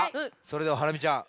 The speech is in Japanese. それではハラミちゃん